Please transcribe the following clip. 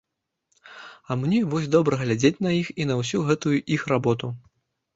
А мне вось добра глядзець на іх і на ўсю гэтую іх работу.